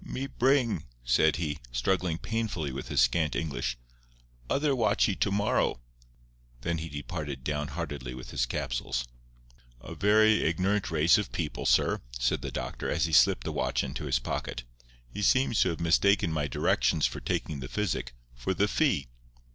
"Me bring," said he, struggling painfully with his scant English, "other watchy to morrow." Then he departed downheartedly with his capsules. "A very ignorant race of people, sir," said the doctor, as he slipped the watch into his pocket. "He seems to have mistaken my directions for taking the physic for the fee.